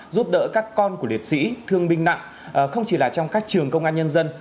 giúp đỡ các con của liệt sĩ thương binh nặng không chỉ là trong các trường công an nhân dân